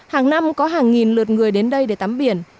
hàng năm có hàng nghìn lượt người đến đây để tắm biển